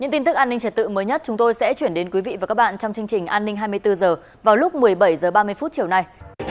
những tin tức an ninh trật tự mới nhất chúng tôi sẽ chuyển đến quý vị và các bạn trong chương trình an ninh hai mươi bốn h vào lúc một mươi bảy h ba mươi chiều nay